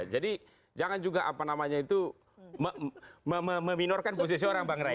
jadi jangan juga apa namanya itu meminorkan posisi orang bang rai